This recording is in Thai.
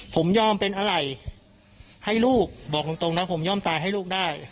ผมยอมเป็นอะไรให้ลูกบอกตรงนะผมยอมตายให้ลูกได้